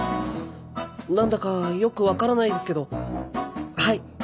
なんだかよくわからないですけどはい。